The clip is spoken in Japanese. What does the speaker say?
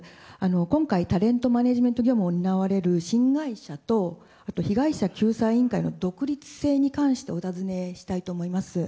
今回、タレントマネジメント業務を担われる新会社と、被害者救済委員会の独立性に関してお尋ねしたいと思います。